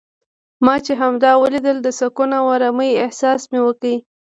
ما چې همدا ولید د سکون او ارامۍ احساس مې وکړ.